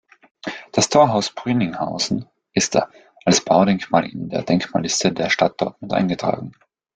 Das Torhaus Brünninghausen ist als Baudenkmal in die Denkmalliste der Stadt Dortmund eingetragen.